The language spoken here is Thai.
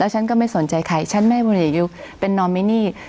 แล้วฉันก็ไม่สนใจใครฉันไม่เอาคนเอกประยุทธ์เป็นนอมมินี